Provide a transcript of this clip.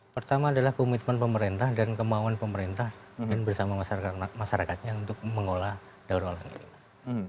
pertama adalah komitmen pemerintah dan kemauan pemerintah dan bersama masyarakatnya untuk mengolah daur ulang ini mas